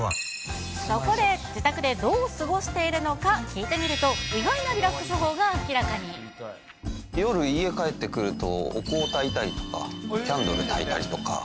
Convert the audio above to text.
そこで、自宅でどう過ごしているか聞いてみると、意外なリラックス法が明夜、家に帰ってくると、お香をたいたりとか、キャンドルたいたりとか。